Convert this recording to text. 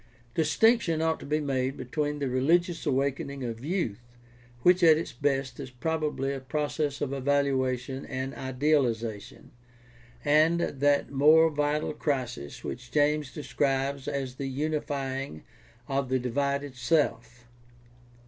— Distinction ought to be made between the religious awakening of youth, which at its best is probably a process of evaluation and idealization, and that more vital PRACTICAL THEOLOGY 671 crisis which James describes as the unifying of the divided self.